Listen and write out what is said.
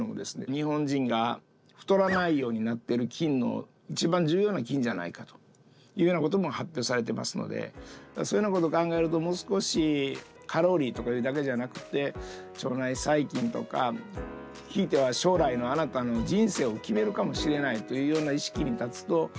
日本人が太らないようになってる菌の一番重要な菌じゃないかというようなことも発表されてますのでそういうようなことを考えるともう少しカロリーとかいうだけじゃなくって腸内細菌とかひいては今から３００年ほど前に発見された腸内細菌たち。